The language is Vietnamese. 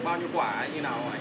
bao nhiêu quả như thế nào anh